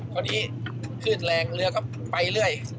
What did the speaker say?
ตอนนี้คลื่นแรงเรือก็ไปเรื่อย